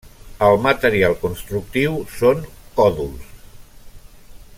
El material constructiu són còdols.